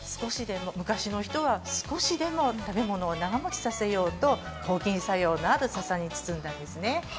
昔の人は少しでも食べ物を長持ちさせようと抗菌作用のあるささに包んだんですね。